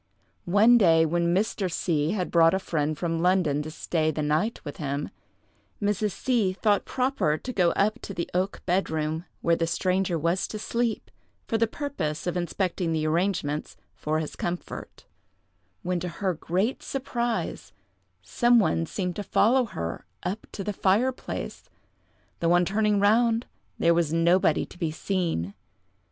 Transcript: One day, when Mr. C—— had brought a friend from London to stay the night with him, Mrs. C—— thought proper to go up to the oak bed room, where the stranger was to sleep, for the purpose of inspecting the arrangements for his comfort, when, to her great surprise, some one seemed to follow her up to the fireplace, though, on turning round, there was nobody to be seen.